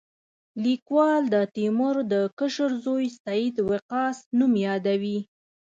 لیکوال د تیمور د کشر زوی سعد وقاص نوم یادوي.